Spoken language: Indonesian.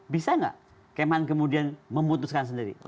bisa nggak kem han kemudian memutuskan sendiri